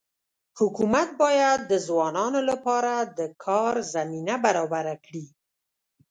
حکومت باید د ځوانانو لپاره د کار زمینه برابره کړي.